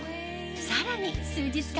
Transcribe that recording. さらに数日間